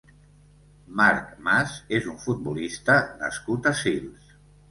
Marc Mas és un futbolista nascut a Sils.